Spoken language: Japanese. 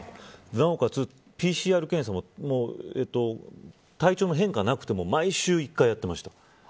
なおかつ、ＰＣＲ検査も体調の変化なくても毎週１回やってました。